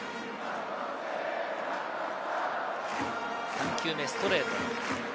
３球目、ストレート。